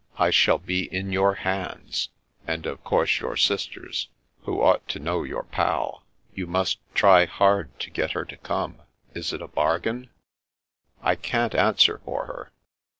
It shall be in your hands, and of course your sister's, who ought to know your pal. You must try hard to get her to come. Is it a bargain ?"" I can't answer for her."